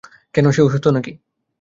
কেন সে অসুস্থ নাকি?